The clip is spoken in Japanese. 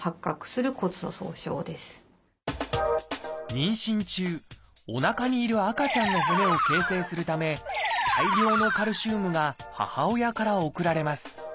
妊娠中おなかにいる赤ちゃんの骨を形成するため大量のカルシウムが母親から送られます。